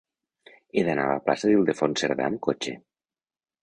He d'anar a la plaça d'Ildefons Cerdà amb cotxe.